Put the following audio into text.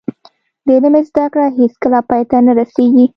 د علم زده کړه هیڅکله پای ته نه رسیږي.